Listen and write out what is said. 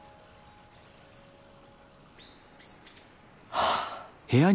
はあ。